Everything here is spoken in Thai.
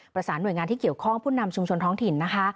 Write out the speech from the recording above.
ประสานหน่วยงานที่เกี่ยวข้องผู้นำชุมชนท้องถิ่นนะคะ